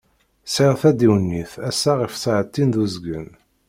Sεiɣ tadiwennit assa ɣef ssaεtin d uzgen.